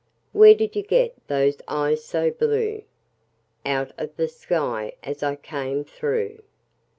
Where did you get those eyes so blue? Out of the sky as I came through.